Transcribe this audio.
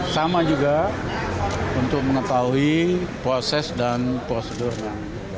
sama juga untuk mengetahui proses dan prosedurnya